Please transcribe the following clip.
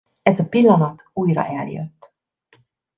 Ez a pillanat újra eljött.